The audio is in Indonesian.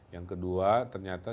yang kedua ternyata